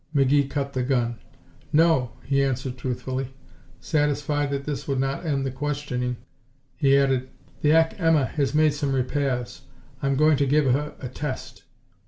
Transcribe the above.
McGee cut the gun. "No," he answered truthfully. Satisfied that this would not end the questioning, he added, "The Ack Emma has made some repairs. I'm going to give her a test."